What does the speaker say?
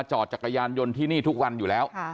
จอดจักรยานยนต์ที่นี่ทุกวันอยู่แล้ว